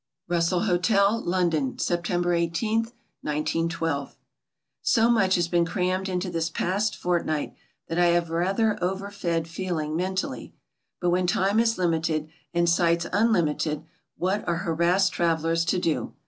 Google Russell Hotel, London September i8, 191a So much has been crammed into this past fortnight that I have a rather overfed feeling mentally. But when time is limited and sights unlimited what are harassed travellers to do?